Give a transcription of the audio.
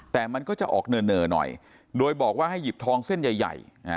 แต่มันก็จะออกเหน่อหน่อยโดยบอกว่าให้หยิบทองเส้นใหญ่